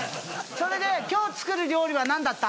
それで今日作る料理は何だった？